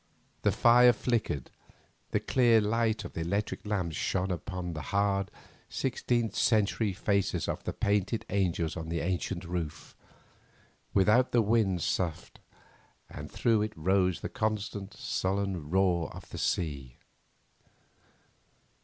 The fire flickered, the clear light of the electric lamps shone upon the hard, sixteenth century faces of the painted angels in the ancient roof; without the wind soughed, and through it rose the constant, sullen roar of the sea.